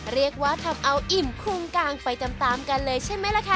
เรียกว่าทำเอาอิ่มคุงกางไปตามกันเลยใช่ไหมล่ะค่ะ